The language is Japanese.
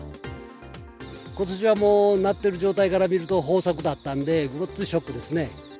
ことしはもう、なってる状態から見ると、豊作だったんで、ごっついショックですね。